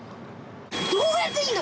どうやって。